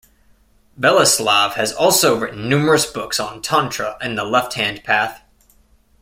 Veleslav has also written numerous books on Tantra and the Left Hand Path.